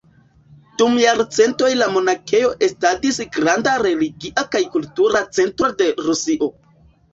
Dum jarcentoj la monakejo estadis granda religia kaj kultura centro de Rusio.